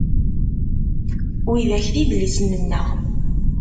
Widak d idlisen-nneɣ.